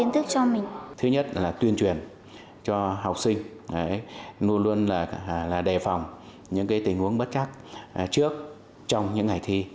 thứ nhất là tuyên truyền cho học sinh luôn luôn đề phòng những tình huống bất chắc trước trong những ngày thi